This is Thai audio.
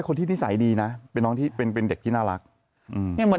ที่นิสัยดีนะเป็นน้องที่เป็นเป็นเด็กที่น่ารักอืมเนี่ยเหมือน